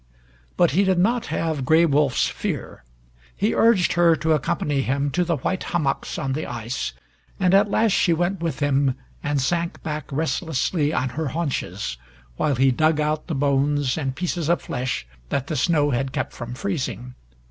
But he did not have Gray Wolf's fear. He urged her to accompany him to the white hummocks on the ice, and at last she went with him and sank back restlessly on her haunches, while he dug out the bones and pieces of flesh that the snow had kept from freezing.